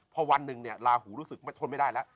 พอวันหนึ่งเนี่ยลาหูรู้สึกทนไม่ได้แล้ว